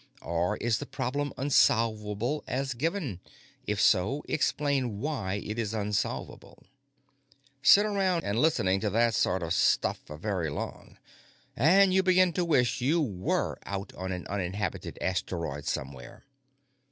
"Or is the problem unsolvable as given? If so, explain why it is unsolvable." Sit around listening to that sort of stuff for very long, and you begin to wish you were out on an uninhabited asteroid somewhere.